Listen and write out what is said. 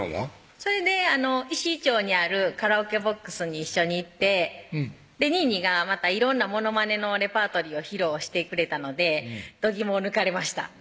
それで石井町にあるカラオケボックスに一緒に行ってにぃにがまた色んなモノマネのレパートリーを披露してくれたのでどぎもを抜かれました